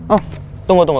oh tunggu tunggu